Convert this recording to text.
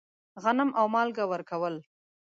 غنم او مالګه ورکول.